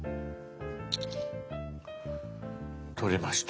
撮れました。